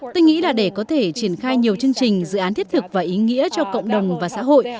tôi nghĩ là để có thể triển khai nhiều chương trình dự án thiết thực và ý nghĩa cho cộng đồng và xã hội